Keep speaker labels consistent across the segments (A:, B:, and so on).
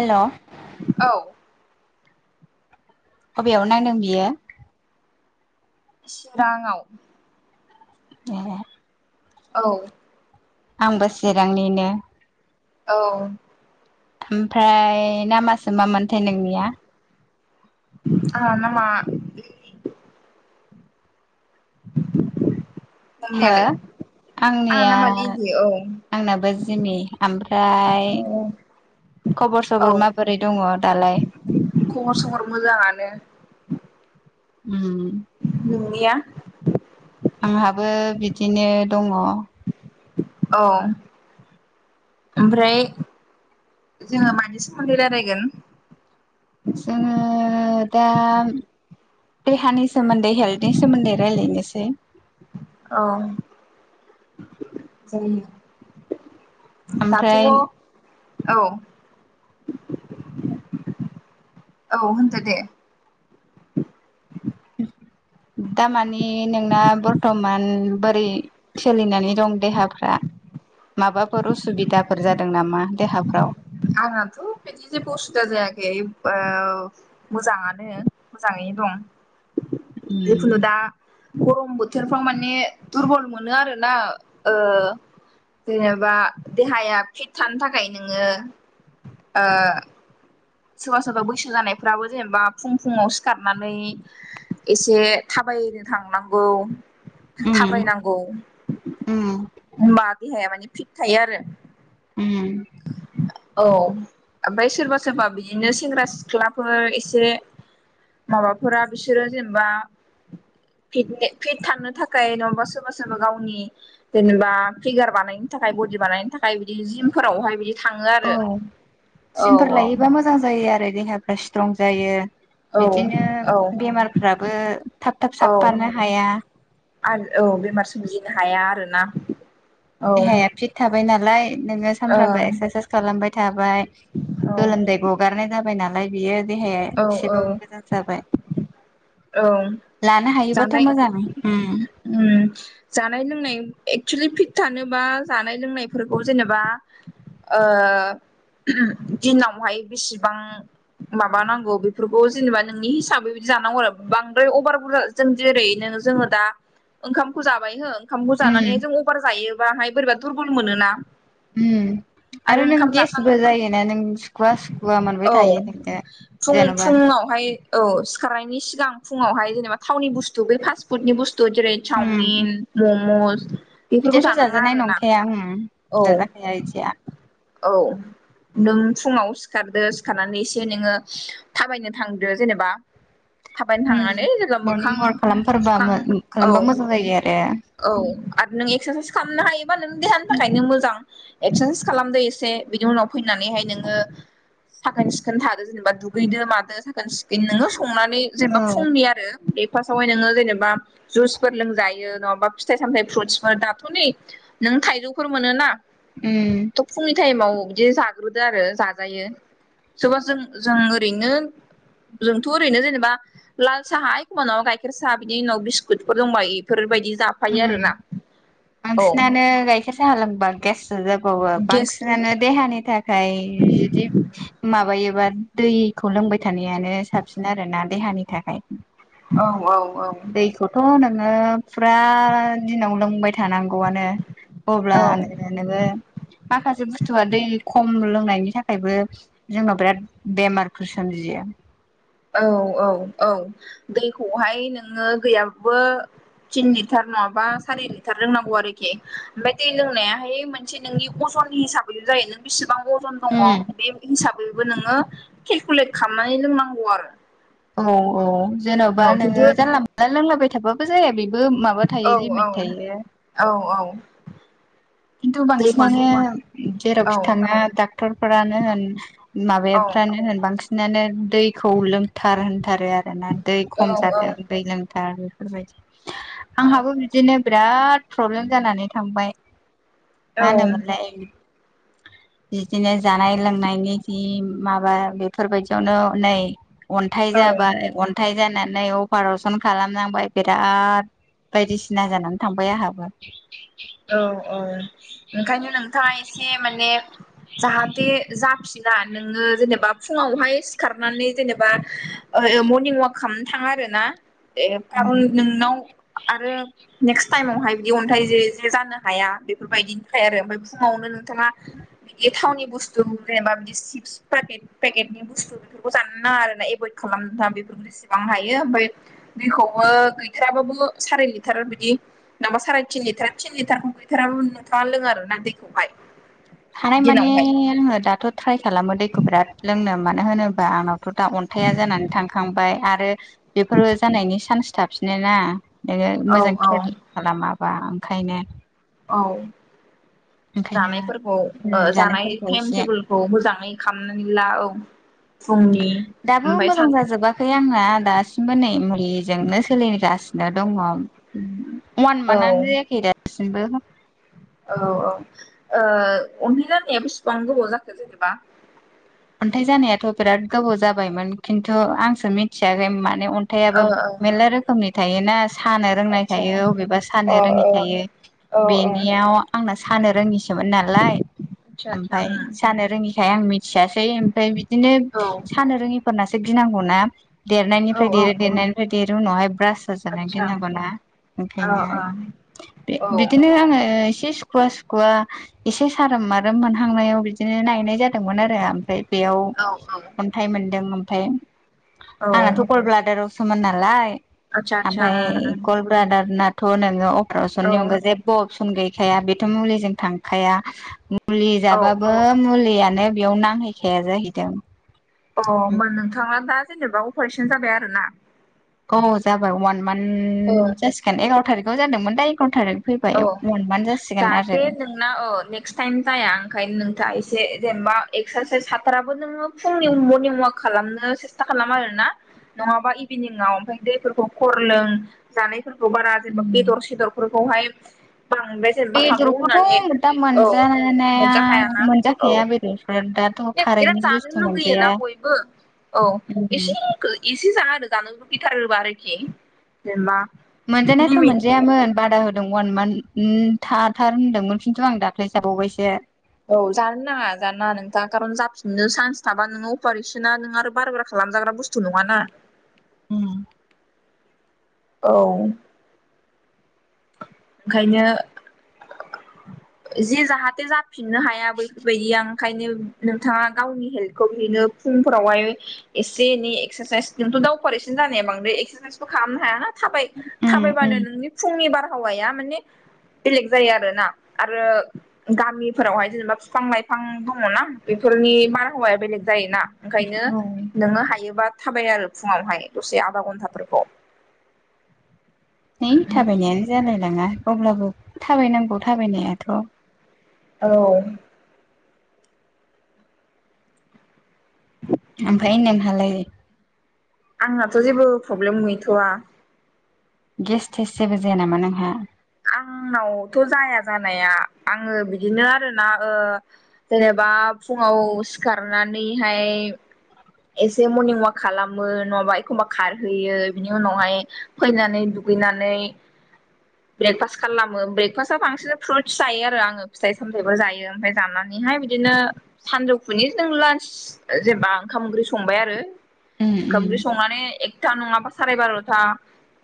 A: हेल'
B: औ
A: बबेयाव नांदों बियो।
B: चिरांआव।
A: एब [unintelligible]
B: औ
A: आंबो चिरांनिनो।
B: औ
A: ओमफ्राय नामासो मामोनथाय नोंनिया।
B: आंना नामा
A: हो
B: नोंनियालाय।
A: आंनिया आंनाबो जिमि ओमफ्राय
B: औ
A: खबर
B: औ
A: सबर माबोरै दङ दालाय।
B: खबर सबर मोजाङानो
A: उम
B: नोंनिया।
A: आंहाबो बिदिनो दङ।
B: औ ओमफ्राय जोङो मानि सोमोन्दै रायलायगोन।
A: जोङो दा देहानि सोमोन्दै हेल्थनि सोमोन्दै रायज्लायनोसै।
B: औ दाथ'
A: ओमफ्राय
B: औ औ होनदो दे।
A: उम दा माने नोंना बर्थमान बोरै सोलिनानै दं देहाफ्रा। माबाफोर उसुबिदाफोर जादों नामा देहाफ्राव।
B: आंनाथ' बिदि जेबो असुबिदा जायाखै मोजाङानो मोजाङै दं जिखुनु
A: उम
B: दा गरम बोथोरफ्राव माने दुरबल मोनो आरोना ओ जेनेबा देहाया फिट थानो थाखाय नोङो ओ सोरबा सोरबा बैसो जानायफोराबो जेनेबा फुं फुुं आव सिखारनानै एसे थाबाय थाबायनो थांनांगौ
A: उम
B: थाबायनांगौ
A: उम
B: होनबा देहाया माने फिट थायो आरो।
A: उम।
B: औ, ओमफ्राय सोरबा सोरबा बिदिनो सेंग्रा सिख्लाफोर एसे माबाफोरा बिसोरो जेनेबा फिट फिट थांनो थाखाय नङाबा सोरबा सोरबा गावनि जेनेबा फिगार बानायनो थाखाय बडि बानायनो थाखाय बिदि जिमफोरावहाय बिदि थाङो आरो
A: औ
B: औ
A: जिमफोर लायोबा मोजां जायो आरो देहाफ्रा स्ट्रं जायो।
B: औ
A: बिदिनो
B: औ
A: बेमारफ्राबो थाब थाब
B: औ
A: साबफानो हाया।
B: आरो औ बेमार सोमजिनो हाया आरो ना।
A: देहाया फिट थाबाय नालाय नोङो सानफ्रामबो
B: ओं
A: एक्सारसाइस खालामबाय बाय
B: औ
A: गोलोमदै गगारनाय जाबाय नालाय बियो देहाया
B: औ औ
A: एसेबाबो मोजां जाबाय।
B: औ।
A: लानो हायोबाथ'
B: जानाय
A: मोजां उम
B: उम जानाय लोंनाय एक्सलि पि त थानोबा जानाय लोंनायफोरखौ जेनेबा ओ दिनावहाय बेसेबां मा मा नांगौ बेफोरखौ जेनेबा नोंनि हिसाबै बिदि जानांगौ आरो बांद्राय अभार बुरजा जों जेरै नो जोङो दा ओंखामखौ जाबाय हो ओंखामखौ
A: उम
B: जानानैहाय जों अभार जायोबाहाय बोरैबा दुरबल मोनोना
A: उम। आरो नों
B: ओंखाम जाखां
A: गेसबो जायोना नों सुखुवा सुखुवा मोनबाय थायो नोङो। जेन'बा
B: फुं-फुुंङावहाय औ सिखारनायनि सिगां फुङावहाय जेनेबा थावनि बुस्थु बेै फास्ट फुदनि बुस थु जेरै
A: उम
B: चावमिन मम'स बेफोरखौ
A: बिदियाथ'
B: जानाङा
A: जाजानाय
B: आरोना
A: नंखाया ओम
B: औ
A: जाजाखाया इदिया।
B: औ, नों फुङाव सिखारदो सिखारनानै जे नोङो थाबायनो थांदो जेनेबा थाबायनो
A: उम
B: थांनानै [unintelligible]
A: मरनिं
B: मोखां
A: वाक खालामथारबा
B: सुखां औ।
A: खालामबा मोजां जायो आरो
B: औ आरो नों एक्सारसाइस खालामनो हायोबा नों देहानि थाखायनो मोजां। एक्सेन्स खालामदो एसे बिनि उनाव फैनानैहाय नोङो साखोन सिखोन थादो जेनेबा दुगैदो मादो खोन सिखोन नोङो संनानै जेनेबा
A: औ
B: फुंनि आरो बे फास्टआवहाय नोङो जेनेबा जुइसफोर लोंजायो नङा बा फिथाइ सामथाय फ्रुटसफोर दाथ' नै नों थाइजौफोर मोनो ना
A: उम
B: थ' फुंनि ताइमाव दि जाग्रोदो आरो जाजायो सोरबा जों जों ओरैनो जोंथ' ओरैनो जेनेबा लाल साहा एखमबा नङाबा गाइखेर साहा बिनि उनाव बिस्कुटफोर दंबा इफोरबायदि जाफायो
A: उम,
B: आरोना औ
A: बांसिनानो गाइखेर साहा लोंबा गेस सो जाबावो
B: गेस
A: बांसिनानो देहानि था खाय जुदि माबायोबा दैखौ लोंबाय थानायानो साबसिन आरोना देहा नि थाखाय।
B: औ औ।
A: दैखौथ' नोङो फुरा दिनाव लोंबाय थानांगौआनो।
B: औ
A: अब्लानो नोङो माखासे बुस्थुआ दै खम लोंनायनि थाखायबो जोंनाव बिराद बेमारफोर सोमजियो। [unintelligible]
B: औ औ औ दैखौहाय नोङो गैयाबो तिन लिटार नङाबा सारि लिटार लोंनांगौ आरोखि। ओमफ्राय दै लोंनायाहाय मोनसे नोंनि अस नि हिसाबै जायो नों बेसेबां अजन दङ बे हिसाबैबो नोङो केलकुलेट खालामनानै लोंनांगौ आरो।
A: औ औ जेन'बा
B: औ खिन्थु
A: नोङो जानला मोनानला लोंलाबाय थाबाबो जाया बे बो माबा
B: औ
A: थायो लिमिट थायो।
B: [unintelligible]
A: खिन्थु
B: दैखौ
A: बांसिनानो
B: जों औ
A: जेरावखि थाङो डाक्टरफोरानो होन
B: औ
A: माबाया नो होन बांसिन नानो दैखौ लोंथार होनथारो आरोना। दै खम जादों
B: औ
A: दै लोंथार बेबायदि। आंहाबो बिदिनो बिराद प्रब्लेम जानानै थांबाय
B: औ
A: मानोमोनलाय बिदिनो जानाय लोंनायनि जि माबा बेफोरबायदियावनो नै अन्थाइ
B: औ
A: जाबाय, अन्थाइ जाना नै अपारसन खालामनांबाय, बिराद बायदिसिना जानानै थांबाय आंहाबो।
B: औ औ ओंखायनो नोंथाङा एसे माने जाहाथे जाफिना नोङो जेनेबा फुङावहाय सिखारनानै जेनेबा ओ मर्निं अवाक खालामनो थां आरो ना ए खारन नोंनाव आरो नेक्स्ट टाइमावहाय बिदि अन्थाइ जे जानो हाया बेफोरबायदिनिफ्राय आरो ओमफ्राय फुङावनो नोंथाङा बिदि थावनि बुस्थु जेनेबा सिप्सेट पेकेटनि बुस्तु बेफोरखौ जानो नाङा आरो ना एभयद खालाखा बेफोरखौ जेसेबां हायो ओमफ्राय दैखौबो गैथाराबाबो साराय लिटार बिदि माबा साराय थिन लिटार थिन लिटारखौ गैथाराबो नोंथाङा लोङो आरोना दैखौहाय
A: हानाय माने
B: दिनावहाय
A: आङो दाथ' ट्राय खालामो दैखौ खो बिराद लोंनो मानोहोनोबा आंनावथ' दा अन्थाया जानानै थांखांबाय आरो बेफोरो जान होननायनि सान्स थाफन ना नोङो
B: औ
A: मोजां
B: औ
A: केयार खालामाबा ओंखायनो
B: औ
A: [inaudible]
B: जानायफोरखौ जानाय
A: जानायफोरखौ
B: टाइम
A: एसे
B: टेबोलखौ मोजाङै खालामनानै ला औ फुंनि
A: दाबो
B: ओमफ्राय
A: मोजां
B: सान
A: जाजोबाखै आंना दासिमबो नै मुलिजोंनो सोलिनोगासिनो दा दङ वान
B: औ
A: मान्थनो जायाखै दासिमबो
B: औ औओ अन्थाइ जानाया बेसिबां गोबाव जाखो जेनेबा
A: हाथाय जानायाथ' बिराद गोबाव जाबायमोन खिन्थु आंसो मिथियाखै मा माने
B: ओ
A: अन्थाइाबो
B: ओ
A: मेरला रोखोमनि थायोना सानो रोंनाय
B: आतसा
A: थायो अबेबा
B: अ
A: सानो रोङि
B: ओ
A: थायो
B: औ आतसा उम औ आतसा
A: बेनियाव आंना सानो रोङिसोमोन नालाय ओमफफ्राय सानो रोङि थाया मिथियासै बै ओमफ्राय बिदिनो सानो रोङिफोरनासो गिनांगौनाा देरनायनिफ्राय देरो देरनायनिफ्राय देरो बिनि उनावहाय ब्रास जाजानो गिनांगौना
B: औ
A: ओंखायनो
B: औ औ
A: बिदिनो आङो एसे सुख सुखुवा सुखुवा एसे सारोम मारोम मोनहांनायाव बिदिनो नायनाय जादोंमोन आरो ओमफ्राय बेयाव अन्थाइ मोनदों ओमफ्राय
B: औ
A: आंनाथ' अल ब्लादाराव सोसमान नालाय
B: आतसा आतसा
A: ओमफ्राय
B: उम
A: गल ब्रादार नाथ थ' नोङो अपारेसननि अनगा
B: उम
A: जेबो अपसन गैखाया बेथ' मुलिजों थांखाया मुलि
B: औ औ
A: जाबाबो मुलियानो बेयाव नांहैखाया जाहैदों
B: अ होमा नोंथाङा दा जेनेबा अपारेसन जाबाय आरोना
A: अ जाबाय अवान मान्थ जासिगोन एगार' थारिखाव जादोंमोन दा एगार' थारिख फैबाय
B: औ
A: वान मान्थ जासिगोन आरो
B: जाहाथे नोंना औ नेक्स् टाइम जाया ओंखायनो नोंथाङ एसे ए जेनेबा एक्सारसाइस हाथाराबो नोङो फुंनि मर्निं अवाक खालामनो सेस्था खालामा आरोना नङाबा इभिनिंआव ओमफफ्राय दैफोरखौ खर लों जानाय फोरखौ बारा जेनेबा
A: उम
B: बेदर सेदरफोरखौहाय बांद्राय जेनेबा हागौ होननानै
A: बेदरखौथ' दा
B: औ
A: मोनजानाया
B: मोनजाखायाना औ
A: मोनजाखाया बेदरफोर दाथ'
B: बिराद
A: खारैनि
B: जानो
A: बुस्थु मोनजाया
B: लुगैयोना बयबो औ
A: उम
B: एसे एसे जा आरो जानो लुबै थारोबाआरोखि जेनेबा
A: मोनजानायाथ'
B: लिमिट
A: मोनजायामोन बादा होद अवान मान्थ थाथार होनदोंमोन खिन्थु आं दाख्लै जाबावबायसो।
B: औ जानो नाङा जानाङा नोंथां कारन जाफिननो सान्स थाबा नोङो अपारेसना नों आरो बार बारा खालाम खालामामजाग्रा बुस्थु नङा ना।
A: उम
B: औ। ओंखायनो
A: [inaudible]
B: जे जाहाथे जाफिननो हाया बैफोरबायदिया ओंखायनो नोंथाङा गावनि हेल्थखौ बिदिनो फुंफोरावहाय एसे एनै एक्सारसाइस जोंथ' दावहार एसेनो जानाया बांद्राय एक्सारसाइस खालामनो हायाना। थाबाय
A: उम उम
B: थाबायबानो नोंनि फुंनि बारहावाया माने बेलेग जायो आरोना आरो गामिफोरावहाय जेनेबा बिफां लाइफां दङनाा बेफोर नि बारहावाया बेलेग जायोना ओंखायनो
A: औ
B: नोङो हायोबा थाबाय आरो फुङावहाय दसे आदा घन्टाफोरखौ
A: नै थाबायनायानो जालायलाङा अब्लाबो थाबायनांगौ थाबायनायाथ'।
B: औ।
A: ओमफ्राय इमहाालाय।
B: आंनाथ' जेबो प्रब्लेम गैथ'वा।
A: गेस थटेस जेबो जाया नामा नोंहा?
B: आंनावथ' जाया जानाया आङो बिदिनो आरोना ओ जेनेबा बा फुङाव सिखारनानैहाय एसे मर्निं ववाक खालामो नङाबा एखमबा खारहैयो बिनि उनावहाय फैनानै दुगैनानै।
A: [inaudible]
B: ब्रेकफास्ट खालामो ब्रेकफास्टआव बांसिन फ्रुइ्स जायो आरो आङो फिथाइ सामथायाइबो जायो ओमफ्राय जानानैहाय बिदि बिदिनो सानजौफुनि जों लान्च जेनेबा ओंखाम ओंख्रि संबाय आरो।
A: उम
B: ओंखाम ओंख्रि
A: उम
B: संनानै एकथा नङाबा साराय बार'था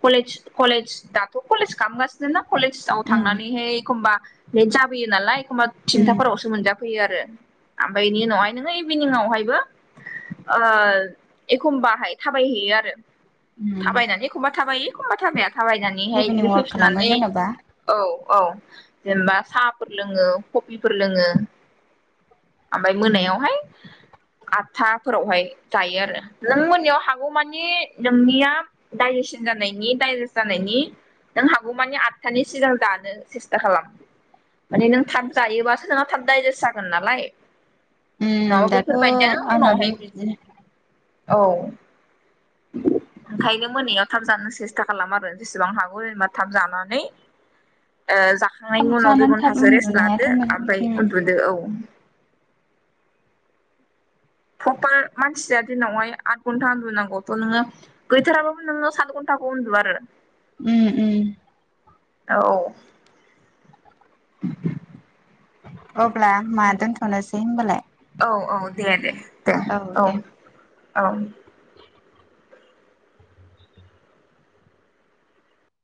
B: कलेज कलेज दाथ' कलेज काम गाज नदिा कलेजाव
A: उम
B: थांनानैहाय एखमबा लेट जाबोयो नालाय एखमबा
A: उम
B: थिनथाफोरावसो मोनजाफैयो आरो। ओमफ्राय बेनि उनावहाय नोङो इभिनिंआवहायबो आ एखमबाहाय थाबायहैयो आरो
A: उम
B: थाबायनानै एखमबा थाबाय एखमबा थाबाया थाबायनानैहाय
A: इभिनिं
B: बिदिनो
A: वाक खालामो
B: फैफिननानै
A: जेन'बा
B: औ औ। जेनेबा साहाफोर लोङो कबिफोर लोङो। ओमफ्राय
A: उम
B: मोनायावहाय। आठथाफोरावहाय जायो आरो नों मोननिायाव हागौमानि नोंनिया दाइज जानायनि दाइेजेसत जानायनि नों हागौ मानि आदथानि सिगां दानो सेस्था खालाम। माने नों थाब जायोबासो नोंहा थाब दडाइजेस्ट जागोन नालाय।
A: उम
B: माबा
A: दाथ'
B: बेफोरबायदियानो
A: आंनाबो
B: उनावहाय
A: बिदिनो
B: औ।
A: [inaudible]
B: ओंखायनो मोनायाव थाब जानो सेस्था खालाम आरो जसेबां हागौ जेनेबा थाब जानानै।
A: थाब
B: जाखांनायनि उनाव दुइ
A: जानानै थाब
B: घन्टासो रेस्ट
A: उन्दुनायाथ'
B: लादो
A: मोनो
B: ओमफ्राय
A: उम
B: उन्दुदो औ। प्रपार मानसिया दिनावहाय आद घन्टा उन्दुुनांगौथ' नोङो गैथाराबो नो सत घन्टा। ह दवार।
A: उ उ।
B: औ।
A: अब्ला मा दोनथ'नोसै होनबालाय।
B: औ औ दे दे दे औ औ।